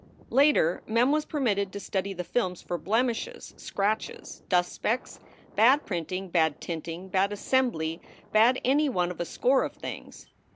Later Mem was permitted to study the films for blemishes, scratches, dust specks, bad printing, bad tinting, bad assem bly, bad any one of a score of things.